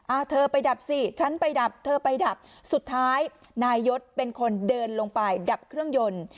เธอไปดับสิฉันไปดับเธอไปดับสุดท้ายนายยศเป็นคนเดินลงไปดับเครื่องยนต์